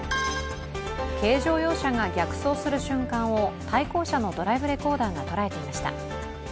軽乗用車が逆走する瞬間を対向車のドライブレコーダーが捉えていました。